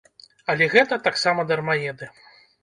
Але гэта таксама дармаеды.